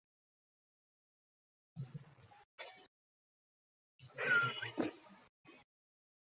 মন্ত্রী আবার চুপ করিয়া গেলেন।